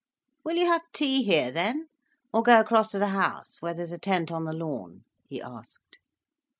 "Will you have tea here then, or go across to the house, where there's a tent on the lawn?" he asked.